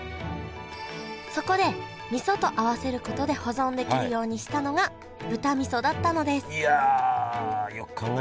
そこで味噌と合わせることで保存できるようにしたのが豚味噌だったのですいやよく考えましたね。